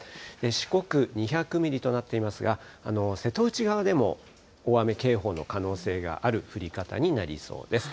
四国、２００ミリとなっていますが、瀬戸内側でも大雨警報の可能性がある降り方になりそうです。